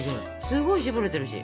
すごい絞れてるし。